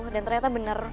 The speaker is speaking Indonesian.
dan ternyata benar